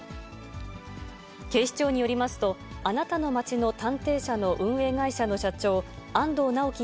警視庁によりますと、あなたの街の探偵社の運営会社の社長、安藤巨樹